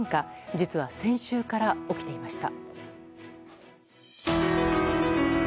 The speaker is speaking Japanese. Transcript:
実は、先週から起きていました。